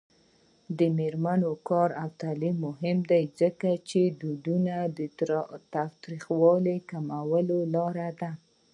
د میرمنو کار او تعلیم مهم دی ځکه چې ودونو تاوتریخوالي کمولو لاره ده.